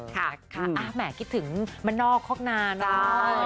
ค่ะแหม่คิดถึงมะนอกคอกนาเนาะ